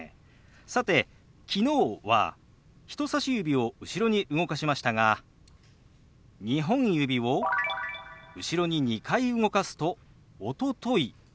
さて「昨日」は人さし指を後ろに動かしましたが２本指を後ろに２回動かすと「おととい」。